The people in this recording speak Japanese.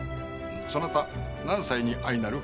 そなた何歳に相なる？